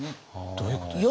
どういうことですか？